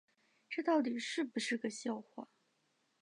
这到底是不是个笑话